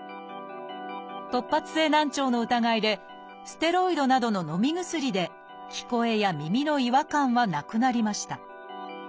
突発性難聴の疑いでステロイドなどののみ薬で聞こえや耳の違和感はなくなりました。